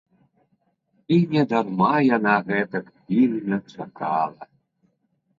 І недарма яна гэтак пільна чакала.